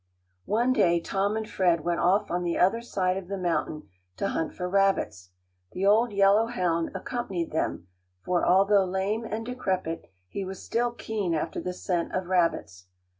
One day Tom and Fred went off on the other side of the mountain to hunt for rabbits. The old yellow hound accompanied them, for although lame and decrepit, he was still keen after the scent of rabbits.